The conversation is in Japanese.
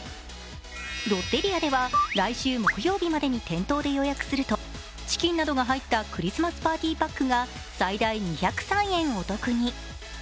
ロッテリアでは来週木曜日までに店頭で予約するとチキンなどが入ったクリスマスパーティーパックが最大２０３円お得に。